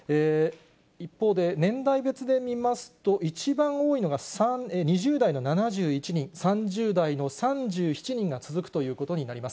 一方で、年代別で見ますと、一番多いのが２０代の７１人、３０代の３７人が続くということになります。